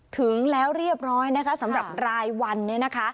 ถึงแล้วเรียบร้อยนะคะสำหรับรายวันเนี่ยนะคะ